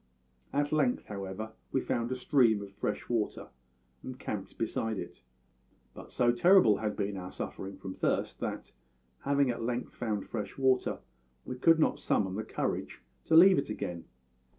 "At length, however, we found a stream of fresh water and camped beside it. But so terrible had been our suffering from thirst that, having at length found fresh water, we could not summon the courage to leave it again.